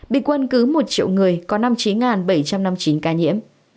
bình quân cứ một triệu người có năm mươi chín bảy trăm năm mươi chín ca nhiễm